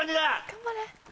頑張れ！